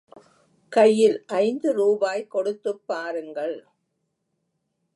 கையில் ஐந்து ரூபாய் கொடுத்துப் பாருங்கள்.